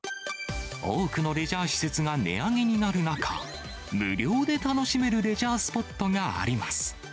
多くのレジャー施設が値上げになる中、無料で楽しめるレジャースポットがあります。